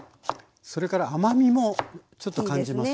それから甘みもちょっと感じますよね。